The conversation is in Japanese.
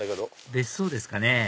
別荘ですかね